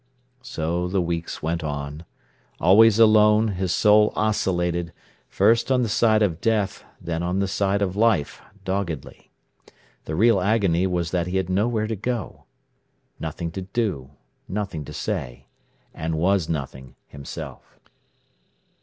So the weeks went on. Always alone, his soul oscillated, first on the side of death, then on the side of life, doggedly. The real agony was that he had nowhere to go, nothing to do, nothing to say, and was nothing himself.